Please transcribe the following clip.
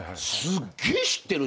すっげ知ってるね。